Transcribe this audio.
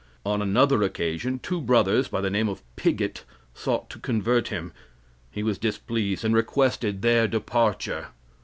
On another occasion, two brothers by the name of Pigott sought to convert him. He was displeased, and requested their departure.